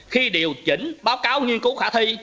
khi điều chỉnh báo cáo nghiên cứu khả thi